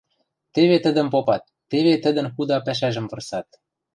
теве тӹдӹм попат, теве тӹдӹн худа пӓшӓжӹм вырсат.